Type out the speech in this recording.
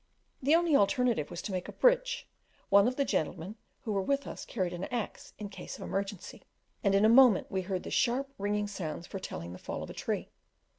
The only alternative was to make a bridge: one of the gentlemen who were with us carried an axe in case of emergency, and in a moment we heard the sharp ringing sounds foretelling the fall of a tree.